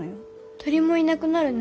鳥もいなくなるね。